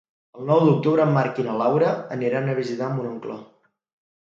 El nou d'octubre en Marc i na Laura aniran a visitar mon oncle.